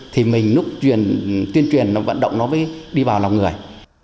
thì mình núp tuyên truyền vận động nó đi vào lòng người